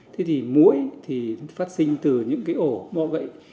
thế thì mũi thì phát sinh từ những cái ổ mọ gãy